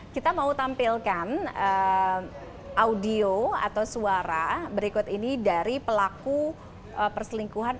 kita mau tampilkan audio atau suara berikut ini dari pelaku perselingkuhan